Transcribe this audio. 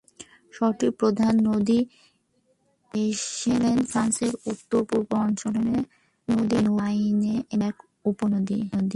শহরটির প্রধান নদী ভেসেল, ফ্রান্সের উত্তর-পূর্ব অঞ্চলের নদী 'আইনে'-এর উপনদী।